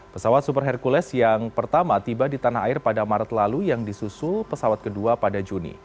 pesawat super hercules yang pertama tiba di tanah air pada maret lalu yang disusul pesawat kedua pada juni